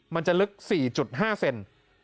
มันจะลึก๔๕เซนติเมตร